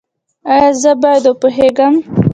ایا زه باید وپوهیږم؟